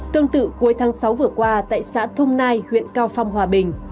tương tự cuối tháng sáu vừa qua tại xã thung nai huyện cao phong hòa bình